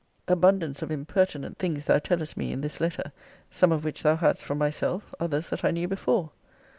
Abundance of impertinent things thou tellest me in this letter; some of which thou hadst from myself; others that I knew before.